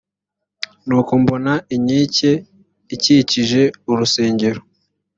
nuko mbona inkike ikikije urusengero